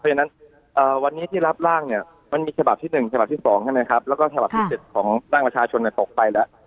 เพราะฉะนั้นวันนี้ที่รับร่างเนี่ยมันมีฉบับที่๑ฉบับที่๒ใช่ไหมครับแล้วก็ฉบับที่๗ของร่างประชาชนตกไปแล้ว